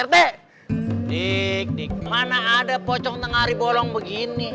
di mana ada pocong tengah ribolong begini